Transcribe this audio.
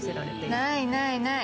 ないないない。